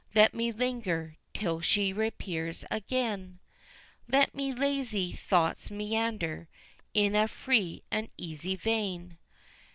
Let me linger till she reappears again, Let my lazy thoughts meander in a free and easy vein.